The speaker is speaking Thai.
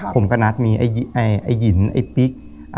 ผมก็นัดมีไอ้หินไอ้ปิ๊ก